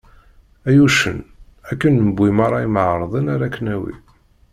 Ay uccen, akken newwi meṛṛa imεerḍen ara ak-nawi.